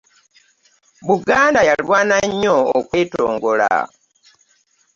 buganda yalwana nnyo okwetongola.